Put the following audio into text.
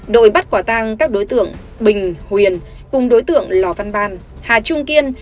đội bắt quả tang các đối tượng bình huyền cùng đối tượng lò văn ban hà trung kiên